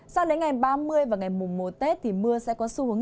sau đến ngày ba mươi và ngày mùng một tết thì mưa sẽ có xu hướng